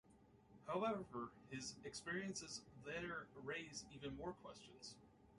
However, his experiences there raise even more questions.